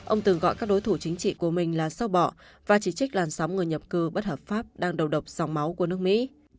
ông từng gọi các đối thủ chính trị của mình là sau bỏ và chỉ trích làn sóng người nhập cư bất hợp pháp đang đầu độc dòng máu của nước mỹ